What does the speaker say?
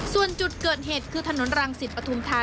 ส่วนจุดเกิดเหตุคือถนนรังสิทธิ์ประธุมธรรมตา